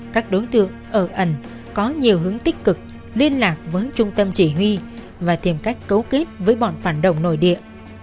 các đối tượng ở ẩn có nhiều hướng tích cực liên lạc với trung tâm chỉ huy và tìm cách cấu kết với bọn phản động nội địa